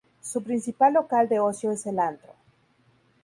Su principal local de ocio es el "antro".